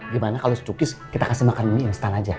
gimana kalo si cukis kita kasih makan mie instan aja